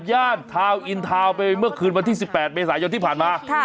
ย่านทาวน์อินทาวน์ไปเมื่อคืนวันที่๑๘เมษายนที่ผ่านมา